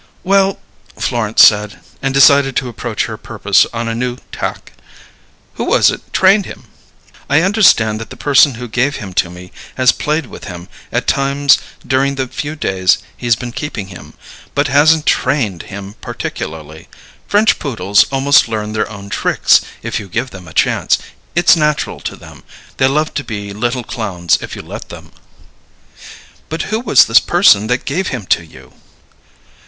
"Well " Florence said, and decided to approach her purpose on a new tack. "Who was it trained him?" "I understand that the person who gave him to me has played with him at times during the few days he's been keeping him, but hasn't 'trained' him particularly. French Poodles almost learn their own tricks if you give them a chance. It's natural to them; they love to be little clowns if you let them." "But who was this person that gave him to you?"